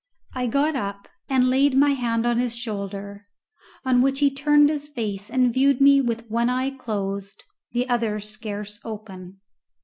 I got up and laid my hand on his shoulder, on which he turned his face and viewed me with one eye closed, the other scarce open.